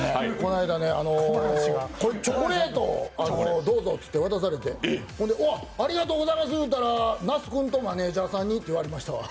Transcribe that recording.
チョコレートをどうぞって渡されて、うわ、ありがとうございますって言うたら那須君とマネージャさんにって言われたわ。